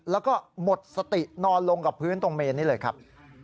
แล้วก็หมดสตินอนลงกับพื้นตรงเมนนี้เลยครับ